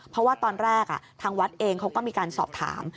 เพราะว่าตอนแรกทางวัดเองเขาก็มีการสอบถาม